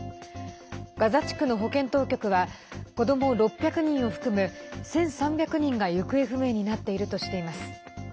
ガザ地区の保健当局は子ども６００人を含む１３００人が行方不明になっているとしています。